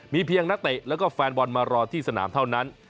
เพียงนักเตะแล้วก็แฟนบอลมารอที่สนามเท่านั้น